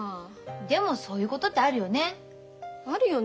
でもそういうことってあるよね。